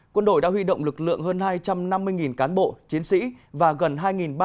quân đội đã huy động lực lượng hơn hai trăm năm mươi cán bộ chiến sĩ và gần hai ba trăm linh